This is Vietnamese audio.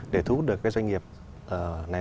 để thu hút được các doanh nghiệp này